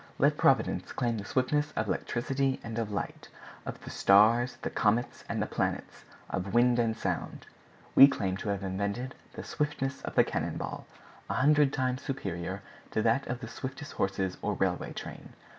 Let Providence claim the swiftness of electricity and of light, of the stars, the comets, and the planets, of wind and sound—we claim to have invented the swiftness of the cannon ball, a hundred times superior to that of the swiftest horses or railway train.